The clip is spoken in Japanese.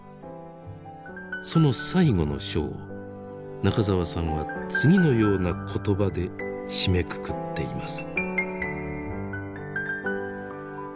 その最後の章を中沢さんは次のような言葉で締めくくっています。